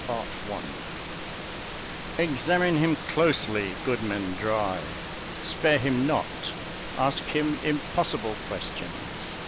Chapter XV Examine him closely, goodman Dry; spare him not. Ask him impossible questions.